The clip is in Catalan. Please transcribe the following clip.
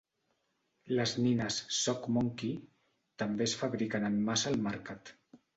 Les nines Sock monkey també es fabriquen en massa al mercat.